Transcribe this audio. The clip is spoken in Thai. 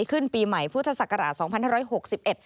ปีใหม่พุทธศักราชสองพันห้าร้อยหกสิบเอ็ด